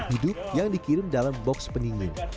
sebagiannya hanya dikirim dalam box peningin